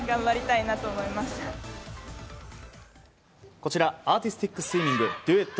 こちらアーティスティックスイミングデュエット